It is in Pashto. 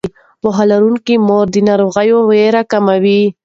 پوهه لرونکې مور د ناروغۍ ویره کموي.